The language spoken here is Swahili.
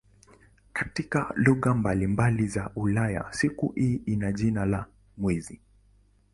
Katika lugha mbalimbali za Ulaya siku hii ina jina la "mwezi".